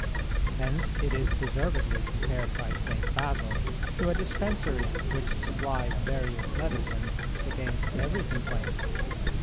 Hence it is deservedly compared by St. Basil to a dispensary which supplies various medicines against every complaint.